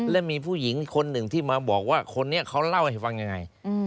และมีผู้หญิงคนหนึ่งที่มาบอกว่าคนนี้เขาเล่าให้ฟังยังไง